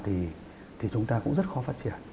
thì chúng ta cũng rất khó phát triển